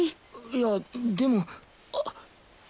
いやでもあっ。